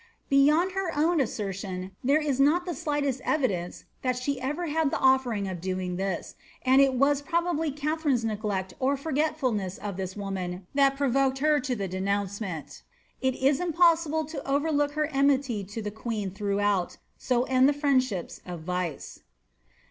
Beyond her own assertion, there is not die slightent evidence that she ever had the ofier of doing this, and it vai probably Katharine^s neglect or forgeifulness of this woman that pro voked her to the denouncement. It is impossible to overlook her eninit|f to the queen throughout. So end the friendships of vice.